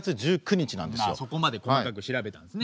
そこまで細かく調べたんですね。